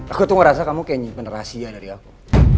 aku tuh ngerasa kamu kayak menerasi dari aku